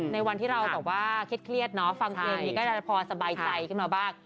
ในวันที่เราแบบว่าเครียดเนาะฟังเพลงนี้ก็จะพอสบายใจขึ้นมาบ้าง